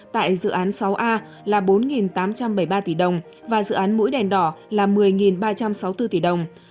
tại dự án sáu a là bốn tám trăm bảy mươi ba tỷ đồng và dự án mũi đèn đỏ là một mươi ba trăm sáu mươi bốn tỷ đồng